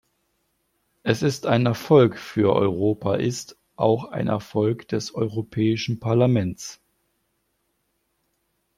Es ist ein Erfolg für Europaist auch ein Erfolg des Europäischen Parlaments.